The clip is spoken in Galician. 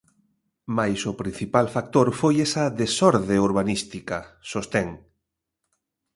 Mais o principal factor foi esa desorde urbanística, sostén.